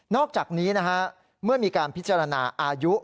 อกจากนี้นะฮะเมื่อมีการพิจารณาอายุ